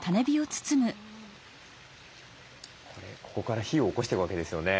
ここから火をおこしていくわけですよね。